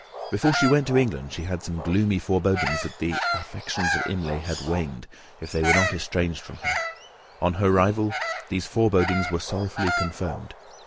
Before she went to England, she had some gloomy forebodings that the affections of Imlay, had waned, if they were not estranged from her; on her arrival, those forebodings were sorrowfully confirmed.